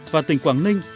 và tỉnh quảng ninh